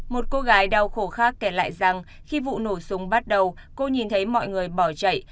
một cô gái đau khổ khác kể lại rằng khi vụ nổ súng bắt đầu cô nhìn thấy mọi người bỏ chạy